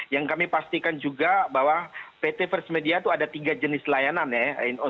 yang kami pastikan juga bahwa pt first media itu ada tiga jenis layanan ya